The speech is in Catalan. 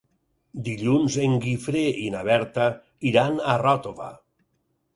Dilluns en Guifré i na Berta iran a Ròtova.